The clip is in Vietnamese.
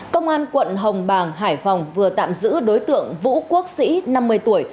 công an quận hồng bàng hải phòng vừa tạm giữ đối tượng vũ quốc sĩ năm mươi tuổi